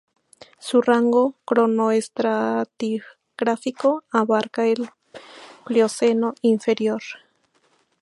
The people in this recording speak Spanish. Su rango cronoestratigráfico abarcaba el Plioceno inferior.